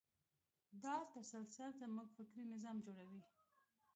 دا تسلسل زموږ فکري نظام جوړوي.